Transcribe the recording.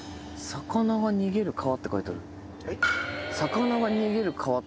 「魚が逃げる川」って書いてある。